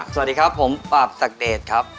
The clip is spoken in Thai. สวัสดีครับผมปราบศักเดชครับ